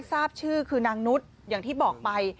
ทราบชื่อคือนางนุษย์อย่างที่บอกไป